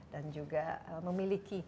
dan juga memiliki